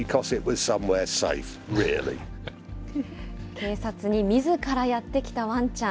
警察にみずからやって来たワンちゃん。